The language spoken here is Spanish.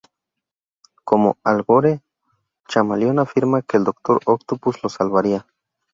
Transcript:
Como Al Gore, Chameleon afirma que el Doctor Octopus los salvaría.